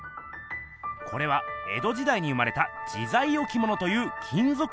これはえどじだいに生まれた「自在置物」という金ぞく